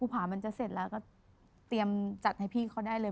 ผ่ามันจะเสร็จแล้วก็เตรียมจัดให้พี่เขาได้เลย